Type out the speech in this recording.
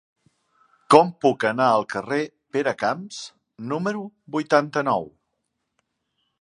Com puc anar al carrer de Peracamps número vuitanta-nou?